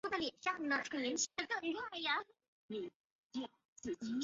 氦行星可能在氢已经通过核融合完全形成氦或其它更重元素的环境中生成。